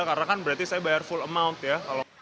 karena kan berarti saya bayar full amount ya